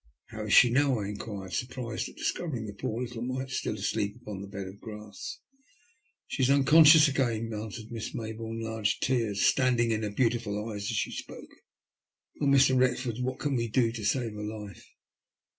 *' How is she now ?" I enquired, surprised at dis covering the poor little mite still asleep upon the bed of grass. "She is unconscious again," answered Miss May boume, large tears standing in her beautiful eyes as she spoke. *' Oh, Mr. Wreiford, what can we do to save her life?"